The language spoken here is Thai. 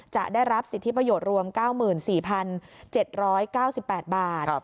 จะได้รับสิทธิประโยชน์รวม๙๔๗๙๘บาท